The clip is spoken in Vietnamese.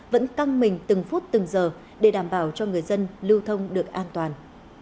vẫn căng mình từng phút từng giờ để đảm bảo cho người dân lưu thông được an toàn